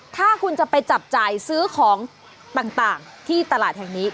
ถ้าคุณจะไปจับจ่ายซื้อของต่างที่ตลาดแห่งนี้